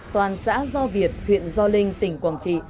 toàn xã do việt huyện do linh tỉnh quảng trị